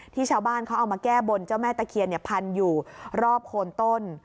ที่ชาวบ้านเขาเอามาแก้บรรยะแม่ตะเคียนพันธุ์อยู่รอบโขลต้น